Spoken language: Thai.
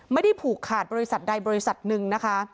ไม่ได้ผูกขาดบริษัทใดบริษัทหนึ่งนะคะ